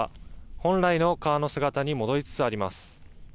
本来の川の姿に戻りつつあります。